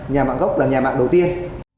nhà mạng gốc là nhà mạng đầu tiên